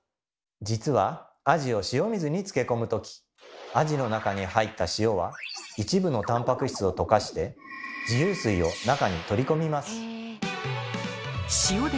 実はアジを塩水につけ込む時アジの中に入った塩は一部のたんぱく質をとかして自由水を中に取り込みます。